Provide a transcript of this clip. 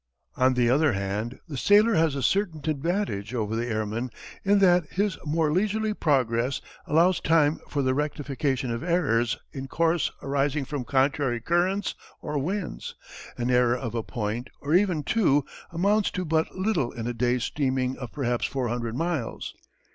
On the other hand the sailor has a certain advantage over the airman in that his more leisurely progress allows time for the rectification of errors in course arising from contrary currents or winds. An error of a point, or even two, amounts to but little in a day's steaming of perhaps four hundred miles.